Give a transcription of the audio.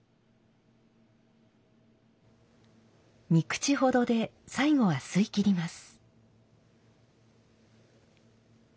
三口ほどで最後は吸いきります。